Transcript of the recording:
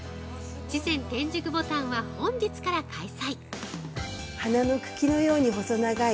池泉天竺牡丹は、本日から開催！